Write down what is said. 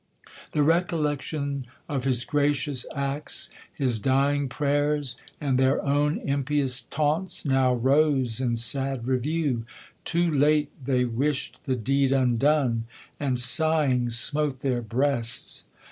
The recollection of his gracious acts. His dying pray'rs and their own impious taunts Now rose in sad review ; too late iLey wish'd The deed undone, and sighing smote their breasts.